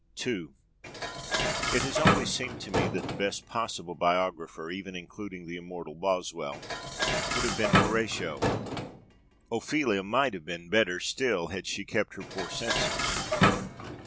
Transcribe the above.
II It has always seemed to me that the best possible biographer, even including the immortal Boswell, would have been Horatio. Ophelia might have been better still had she kept her poor senses.